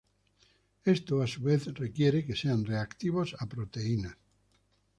Esto, a su vez, requiere que sean reactivos a proteínas.